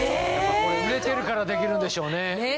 売れてるからできるんでしょうね。